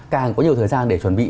càng có nhiều thời gian để chuẩn bị